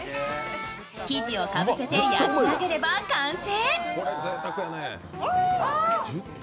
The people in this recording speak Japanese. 生地をかぶせて焼き上げれば完成。